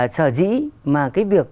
sở dĩ mà cái việc